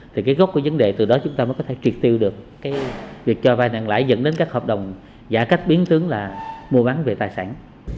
thì cái gốc của vấn đề từ đó chúng ta mới có thể triệt tiêu được cái việc cho vai nặng lãi dẫn đến các hợp đồng giả cách biến tướng là mua bán về tài sản